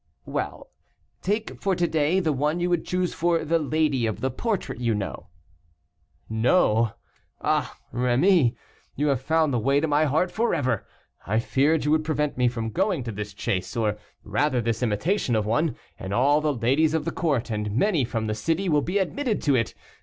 "Well, take for to day the one you would choose for the lady of the portrait you know." "Know! Ah, Rémy, you have found the way to my heart forever; I feared you would prevent me from going to this chase, or rather this imitation of one, and all the ladies of the Court, and many from the City, will be admitted to it.